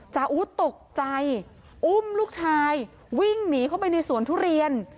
อู๊ตกใจอุ้มลูกชายวิ่งหนีเข้าไปในสวนทุเรียน